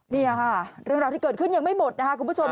นี่ค่ะเรื่องราวที่เกิดขึ้นยังไม่หมดนะคะคุณผู้ชม